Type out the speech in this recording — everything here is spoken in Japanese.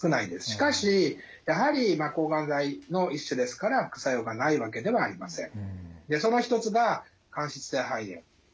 しかしやはり抗がん剤の一種ですから副作用がないわけではありません。